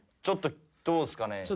ちょっとどうっすかね。